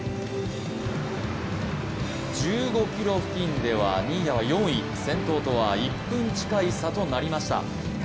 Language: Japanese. １５ｋｍ付近では新谷は４位、先頭とは１分近い差となりました。